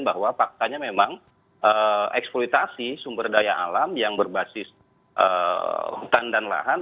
bahwa faktanya memang eksploitasi sumber daya alam yang berbasis hutan dan lahan